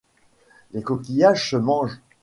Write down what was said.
les coquillages se mangent